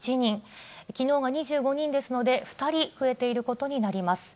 きのうが２５人ですので、２人増えていることになります。